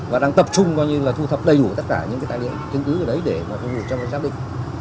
và đang tập trung coi như là thu thập đầy đủ tất cả những cái tài liệu chứng cứ ở đấy để mà phục vụ cho cái chắc định